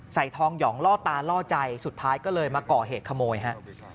ใส่ทองหยองล่อตาล่อใจสุดท้ายก็เลยมาก่อเหตุขโมยฮะ